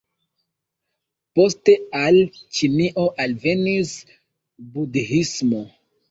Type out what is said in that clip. Poste al Ĉinio alvenis budhismo.